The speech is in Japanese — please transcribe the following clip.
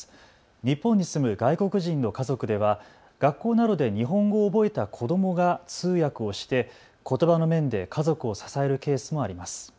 日本に住む外国人の家族では学校などで日本語を覚えた子どもが通訳をしてことばの面で家族を支えるケースもあります。